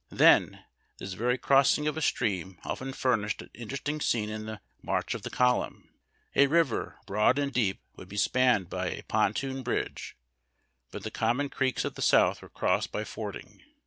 Then, this very crossing of a stream often furnished an interesting scene in the march of the column. A river broad and deep would be spanned by a pontoon bridge, but the common creeks of the South were crossed by fording.